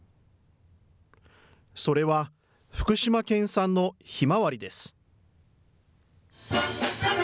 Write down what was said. それは福島県産のひまわりです。